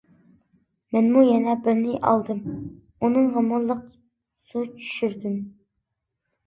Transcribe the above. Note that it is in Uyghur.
مەنمۇ يەنە بىرىنى ئالدىم ئۇنىڭغىمۇ لىق سۇ چۈشۈردۈم.